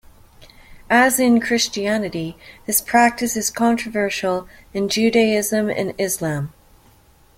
As in Christianity, this practice is controversial in Judaism and Islam.